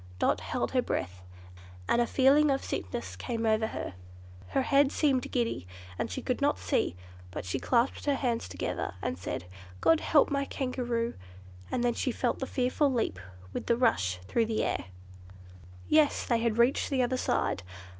Dot held her breath, and a feeling of sickness came over her. Her head seemed giddy, and she could not see, but she clasped her hands together and said, "God help my Kangaroo!" and then she felt the fearful leap with the rush through the air. Yes! they had reached the other side.